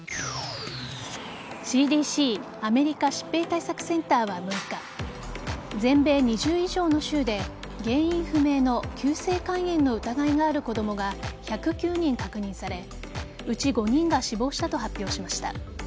ＣＤＣ＝アメリカ疾病対策センターは６日全米２０以上の州で原因不明の急性肝炎の疑いがある子供が１０９人確認されうち５人が死亡したと発表しました。